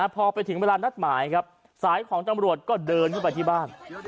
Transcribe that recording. พอไปถึงเวลานัดหมายครับสายของตำรวจก็เดินเข้าไปที่บ้าน